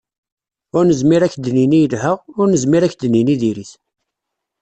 Ur nezmir ad k-d-nini yelha, ur nezmir ad k-d-nini diri-t.